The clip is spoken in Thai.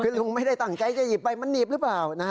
คือลุงไม่ได้ตั้งใจจะหยิบไปมันหนีบหรือเปล่า